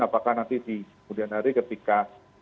apakah nanti di kemudian hari ketika